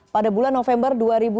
pada bulan november dua ribu dua puluh